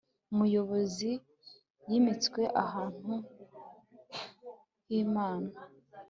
umuyobozi yimitswe ahantu h'imana